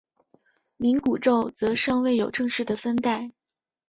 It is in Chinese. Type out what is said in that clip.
冥古宙则尚未有正式的分代。